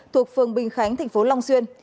thuộc phường bình khánh thành phố long xuyên